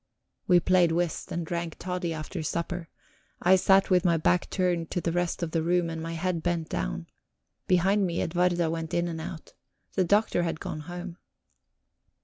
We played whist and drank toddy after supper; I sat with my back turned to the rest of the room, and my head bent down; behind me Edwarda went in and out. The Doctor had gone home.